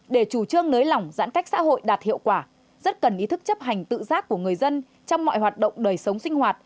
để chủ trương nới lỏng giãn cách xã hội đạt hiệu quả rất cần ý thức chấp hành tự giác của người dân trong mọi hoạt động đời sống sinh hoạt